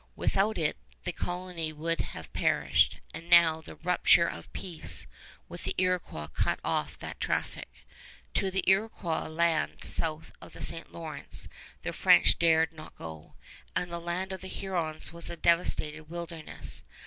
Without it the colony would have perished, and now the rupture of peace with the Iroquois cut off that traffic. To the Iroquois land south of the St. Lawrence the French dared not go, and the land of the Hurons was a devastated wilderness.